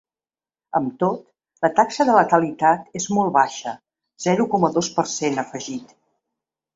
Amb tot, la taxa de letalitat és molt baixa: zero coma dos per cent, ha afegit.